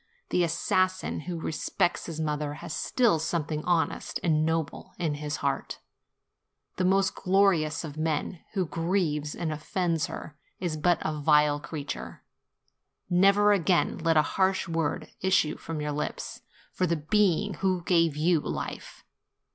The assassin who respects his mother has still something honest and noble in his heart; the most glorious of men who grieves and offends her is but a vile creature. Never again let a harsh word issue from your lips, for the being who gave you life.